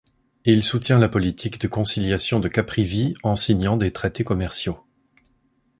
Il soutient la politique de conciliation de Caprivi en signant des traités commerciaux.